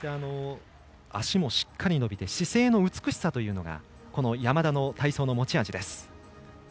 足もしっかり伸びて姿勢の美しさというのが山田の体操の持ち味です。